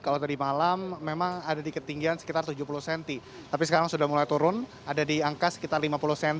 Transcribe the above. kalau tadi malam memang ada di ketinggian sekitar tujuh puluh cm tapi sekarang sudah mulai turun ada di angka sekitar lima puluh cm